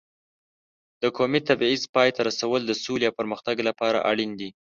د قومي تبعیض پای ته رسول د سولې او پرمختګ لپاره اړین دي.